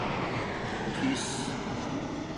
ٹھس